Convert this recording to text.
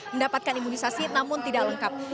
mendapatkan imunisasi namun tidak lengkap